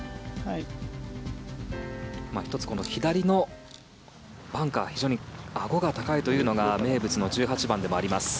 １つ、この左のバンカー非常にあごが高いというのが名物の１８番でもあります。